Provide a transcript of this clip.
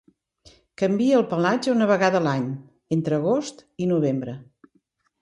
Canvia el pelatge una vegada a l'any entre agost i novembre.